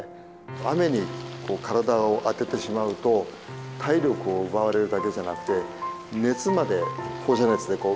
雨に体を当ててしまうと体力を奪われるだけじゃなくて熱まで放射熱で奪われてしまうんですよね。